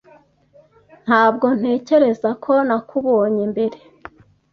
Ntabwo ntekereza ko nakubonye mbere.